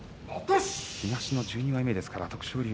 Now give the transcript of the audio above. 東の１２枚目ですから、徳勝龍